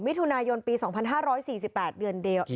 มิถุนายนปี๒๕๔๘เดือนเดียว